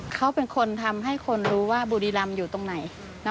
เขาเป็นคนทำให้คนรู้ว่าบุรีรำอยู่ตรงไหน